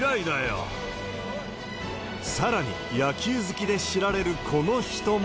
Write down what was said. さらに、野球好きで知られるこの人も。